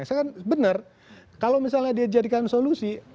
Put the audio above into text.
sebenarnya kalau misalnya dia menjadikan solusi